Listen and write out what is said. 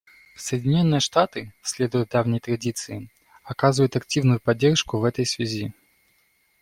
Соединенные Штаты, следуя давней традиции, оказывают активную поддержку в этой связи.